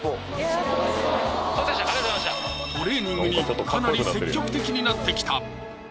トレーニングにかなり積極的になってきた！